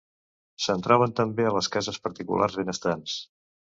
Se'n troben també a les cases particulars benestants.